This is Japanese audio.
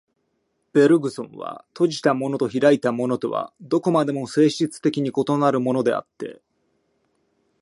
ベルグソンは、閉じたものと開いたものとはどこまでも性質的に異なるものであって、